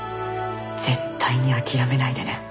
絶対に諦めないでね。